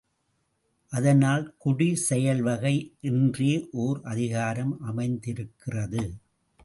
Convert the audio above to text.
அதனால் குடி செயல் வகை என்றே ஒர் அதிகாரம் அமைந்திருக்கிறது.